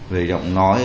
về giọng nói